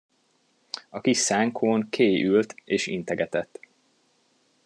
A kis szánkón Kay ült és integetett.